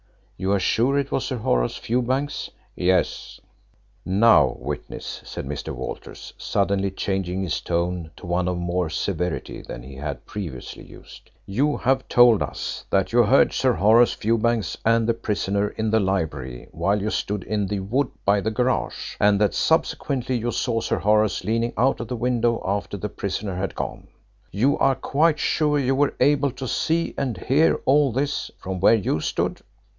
"You are sure it was Sir Horace Fewbanks?" "Yes." "Now, witness," said Mr. Walters, suddenly changing his tone to one of more severity than he had previously used, "you have told us that you heard Sir Horace Fewbanks and the prisoner in the library while you stood in the wood by the garage, and that subsequently you saw Sir Horace leaning out of the window after the prisoner had gone. You are quite sure you were able to see and hear all this from where you stood?"